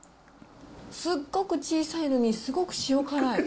すごく小さいのにすごく塩辛い。